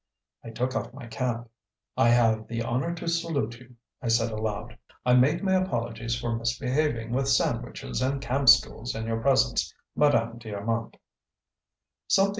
I took off my cap. "I have the honour to salute you," I said aloud. "I make my apologies for misbehaving with sandwiches and camp stools in your presence, Madame d'Armand."